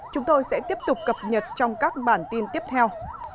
chúng tôi sẽ tiếp tục cập nhật trong các bản tin tiếp theo